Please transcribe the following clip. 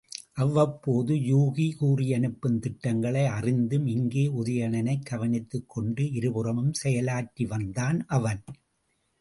அவ்வப்போது யூகி கூறியனுப்பும் திட்டங்களை அறிந்தும், இங்கே உதயணனைக் கவனித்துக் கொண்டு இருபுறமும் செயலாற்றி வந்தான் அவன்.